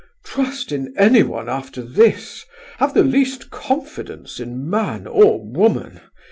"Trust in anyone after this! Have the least confidence in man or woman!"